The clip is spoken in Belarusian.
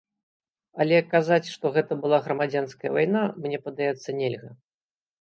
Але казаць, што гэта была грамадзянская вайна, мне падаецца, нельга.